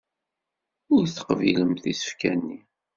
Ur teqbilemt isefka-nni.